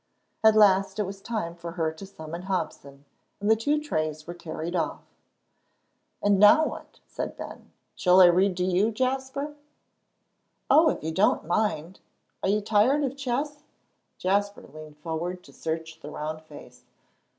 At last it was time for her to summon Hobson, and the two trays were carried off. "And now what?" asked Ben. "Shall I read to you, Jasper?" "Oh, if you don't mind are you tired of chess?" Jasper leaned forward to search the round face.